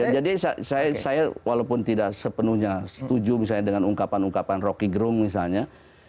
jadi saya walaupun tidak sepenuhnya setuju misalnya dengan ungkapan ungkapan rocky grung misalnya